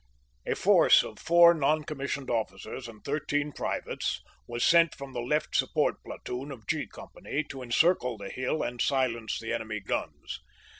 A force of four non commissioned officers and thirteen privates was sent from the left support platoon of G Com pany to encircle the hill and silence the enemy guns.